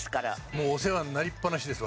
もうお世話になりっぱなしです